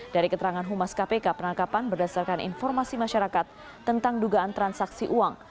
dari keterangan humas kpk penangkapan berdasarkan informasi masyarakat tentang dugaan transaksi uang